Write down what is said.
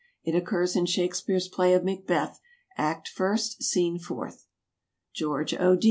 It occurs in Shakspeare's play of Macbeth, act first, scene fourth. GEORGE O.